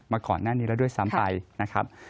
มาก่อนหน้านี้แล้วด้วยซ้ำไปนะครับ